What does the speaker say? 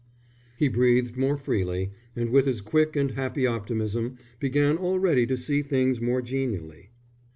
He breathed more freely, and with his quick and happy optimism began already to see things more genially.